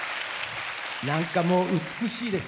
なんか、もう美しいです。